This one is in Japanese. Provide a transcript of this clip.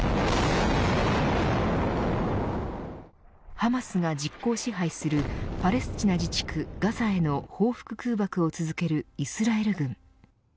ハマスが実効支配するパレスチナ自治区ガザへの報復空爆を続けるイスラエル軍。